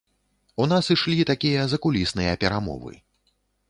У нас ішлі такія закулісныя перамовы.